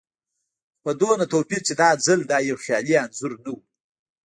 خو په دومره توپير چې دا ځل دا يو خيالي انځور نه و.